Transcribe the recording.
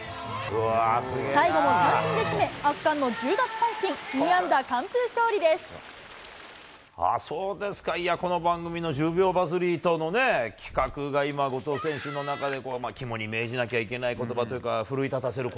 最後も三振で締め、圧巻の１０奪三振、そうですか、いや、この番組の１０秒バズリートの企画が今、後藤選手の中で、肝に銘じなきゃいけないことばというか、奮い立たせる